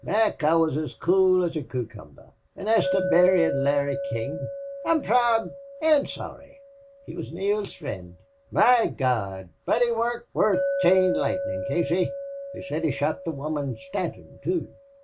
"Mac, I wuz as cool as a coocumber. An' as to buryin' Larry King, I'm proud an' sorry. He wuz Neale's fri'nd." "My Gawd! but he wor chain lightnin', Casey. They said he shot the woman Stanton, too."